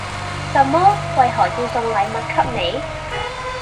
什麼？為何要送禮物給你？